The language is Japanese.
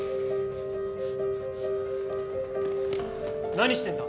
何してんだ